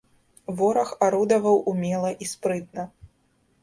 Вораг арудаваў умела і спрытна.